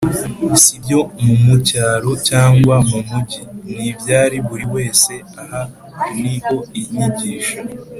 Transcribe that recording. Si ibyo mu cyaro cyangwa mu mujyi ni ibya buri wese aha ni ho inyigisho